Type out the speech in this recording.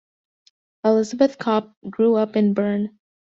Elisabeth Kopp grew up in Bern.